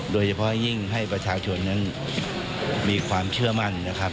โดยเฉพาะยิ่งให้ประชาชนมีความเชื่อมั่น